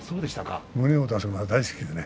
胸を出すのが大好きでね。